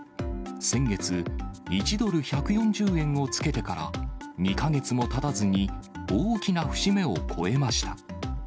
先月、１ドル１４０円をつけてから、２か月もたたずに大きな節目を超えました。